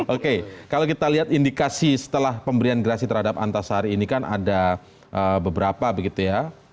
oke kalau kita lihat indikasi setelah pemberian gerasi terhadap antasari ini kan ada beberapa begitu ya